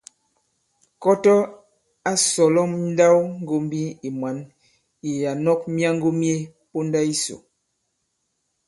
Kɔtɔ a sɔ̀lɔ nndawŋgōmbi ì mwǎn ì ǎ nɔ̄k myaŋgo mye ponda yisò.